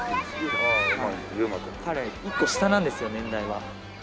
彼１個下なんですよ年代は。